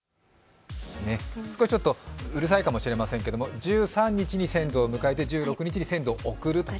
ちょっとうるさいかもしれませんけれども１３日に先祖を迎えて、１６日に先祖を送ると。